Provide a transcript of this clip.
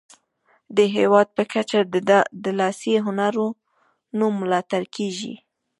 د هیواد په کچه د لاسي هنرونو ملاتړ کیږي.